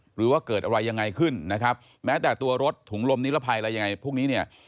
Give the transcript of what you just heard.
หรือว่าเกิดอะไรยังไงขึ้นนะครับแม้แต่ตัวรถถุงลมนิรภัยอะไรยังไงพวกนี้เนี่ย